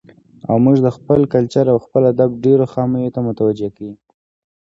او موږ د خپل کلچر او خپل ادب ډېرو خاميو ته متوجه کوي.